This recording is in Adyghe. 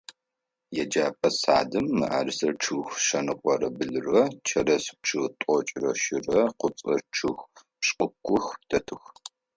Еджэпӏэ садым мыӏэрысэ чъыг шъэныкъорэ блырэ, чэрэз чъыг тӏокӏырэ щырэ, къыпцӏэ чъыг пшӏыкӏух дэтых.